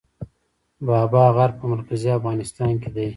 بابا غر په مرکزي افغانستان کې دی